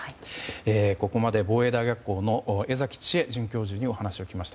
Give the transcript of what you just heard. ここまで防衛大学校の江崎智絵准教授にお話を聞きました。